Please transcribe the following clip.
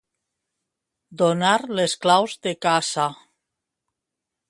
Donar les claus de casa.